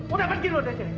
udah pergi lo dajah